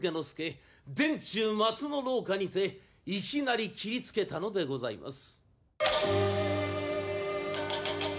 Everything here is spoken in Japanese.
松の廊下にていきなり斬りつけたのでございます。